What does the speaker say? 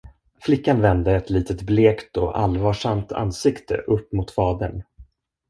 Flickan vände ett litet blekt och allvarsamt ansikte upp mot fadern.